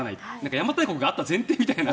邪馬台国があった前提みたいな。